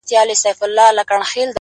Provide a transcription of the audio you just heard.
له هنداري څه بېــخاره دى لوېـــدلى!!